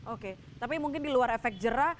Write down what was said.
oke tapi mungkin di luar efek jerah